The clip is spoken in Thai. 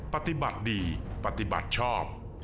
ปฏิบัติดีปฏิบัติชอบ